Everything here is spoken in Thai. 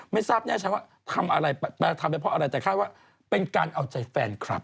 ไม่ทราบแน่ชัดว่าทำอะไรทำไปเพราะอะไรแต่คาดว่าเป็นการเอาใจแฟนคลับ